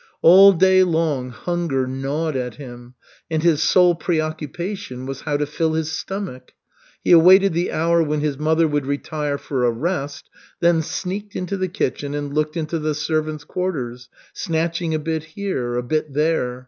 All day long hunger gnawed at him, and his sole preoccupation was how to fill his stomach. He awaited the hour when his mother would retire for a rest, then sneaked into the kitchen and looked into the servants' quarters, snatching a bit here, a bit there.